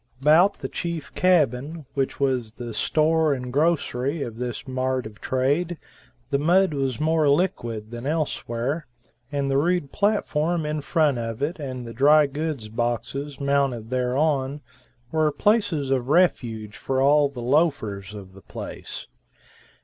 About the chief cabin, which was the store and grocery of this mart of trade, the mud was more liquid than elsewhere, and the rude platform in front of it and the dry goods boxes mounted thereon were places of refuge for all the loafers of the place.